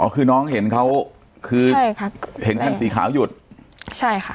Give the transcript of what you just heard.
คือน้องเห็นเขาคือใช่ครับเห็นคันสีขาวหยุดใช่ค่ะ